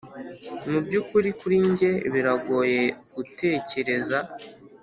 mubyukuri, kuri njye biragoye gutekereza,